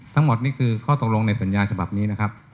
ทั้งหมดนี่คือข้อตกลงในสัญญาฉบับนี้นะครับ